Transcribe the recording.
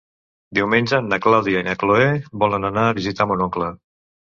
Diumenge na Clàudia i na Cloè volen anar a visitar mon oncle.